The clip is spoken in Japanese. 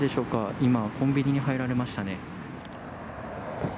今、コンビニに入られましたね。